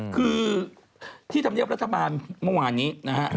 คือที่ธรรมเนียบรัฐบาลเมื่อวานนี้นะฮะ